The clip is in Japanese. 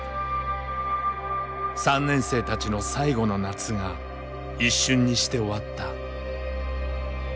３年生たちの最後の夏が一瞬にして終わった。